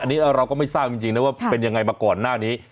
อันนี้เราก็ไม่ทราบจริงนะว่าเป็นยังไงมาก่อนหน้านี้